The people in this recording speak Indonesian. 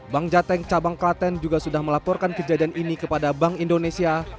bank jateng cabang klaten juga sudah melaporkan kejadian ini kepada bank indonesia